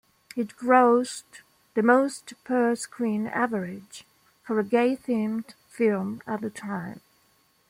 It grossed the most per-screen average for a gay-themed film at the time.